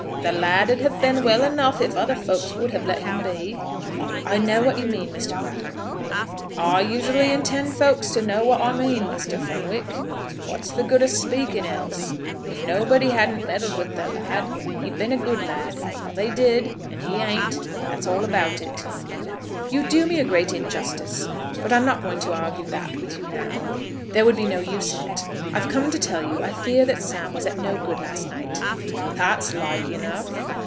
The lad'd have been well enough if other folks would have let him be." "I know what you mean, Mr. Brattle." "I usually intend folks to know what I mean, Muster Fenwick. What's the good o' speaking else? If nobody hadn't a meddled with the lad, he'd been a good lad. But they did, and he ain't. That's all about it." "You do me a great injustice, but I'm not going to argue that with you now. There would be no use in it. I've come to tell you I fear that Sam was at no good last night." "That's like enough."